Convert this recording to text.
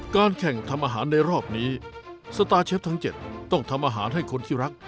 การแข่งทำอาหารในรอบนี้สตาร์เชฟทั้ง๗ต้องทำอาหารให้คนที่รัก